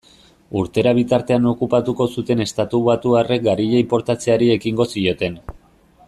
Urtera bitartean okupatuko zuten estatubatuarrek garia inportatzeari ekingo zioten.